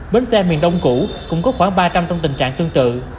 bến xe miền đông cũ cũng có khoảng ba trăm linh trong tình trạng tương tự